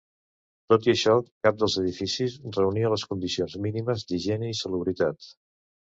Tot i això, cap dels edificis reunia les condicions mínimes d'higiene i salubritat.